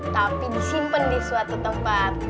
tapi disimpan di suatu tempat